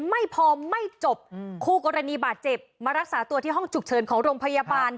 ไม่พอไม่จบคู่กรณีบาดเจ็บมารักษาตัวที่ห้องฉุกเฉินของโรงพยาบาล